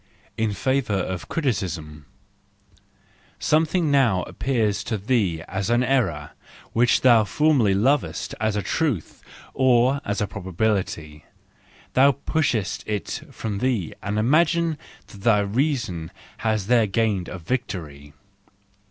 In Favour of Criticism ,.—Something now appears to thee as an error which thou formerly lovedst as a truth, or as a probability: thou pushest it from thee and imaginest that thy reason has there gained a victory.